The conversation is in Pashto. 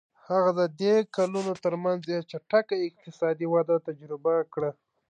هغه د دې کلونو ترمنځ یې چټکه اقتصادي وده تجربه کړه.